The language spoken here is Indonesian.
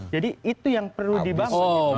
jadi itu yang perlu dibangun